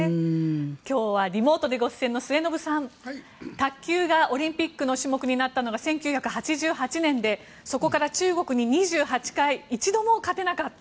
今日はリモートでご出演の末延さん卓球がオリンピックの種目になったのが１９８８年でそこから中国に２８回一度も勝てなかった。